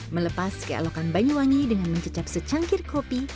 melepas kealokan banyuwangi dengan mencicip secangkir kopi